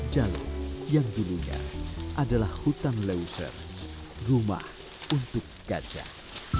jalur yang dulunya adalah hutan leuser rumah untuk gajah